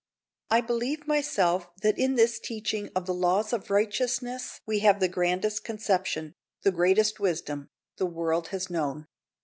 I believe myself that in this teaching of the laws of righteousness we have the grandest conception, the greatest wisdom, the world has known.